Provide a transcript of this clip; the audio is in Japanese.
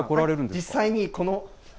実際にこの。